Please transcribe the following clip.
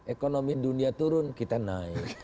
ekonomi dunia turun kita naik